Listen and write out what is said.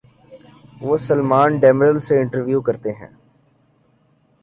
وہ سلمان ڈیمرل سے انٹرویو کرتے ہیں۔